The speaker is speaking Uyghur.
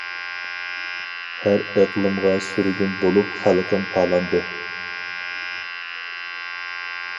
ھەر ئىقلىمغا سۈرگۈن بولۇپ خەلقىم پالاندى!